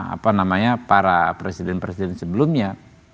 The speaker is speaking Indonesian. apa namanya para presiden presiden sebelumnya